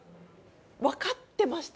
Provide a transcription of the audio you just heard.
分かってました？